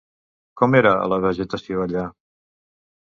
Com era la vegetació allà?